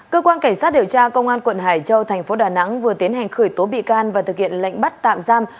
cơ quan cảnh sát điều tra công an quận hải châu thành phố đà nẵng vừa tiến hành khởi tố bị can và thực hiện lệnh bắt tạm giam